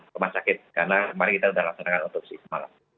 rumah sakit karena kemarin kita sudah laksanakan otopsi semalam